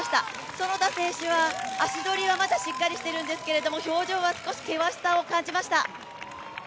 其田選手は足取りはまだしっかりしてるんですけども、表情は少し険しさを感じました。